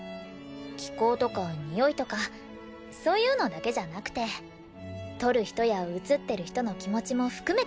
気候とかにおいとかそういうのだけじゃなくて撮る人や写ってる人の気持ちも含めて空気。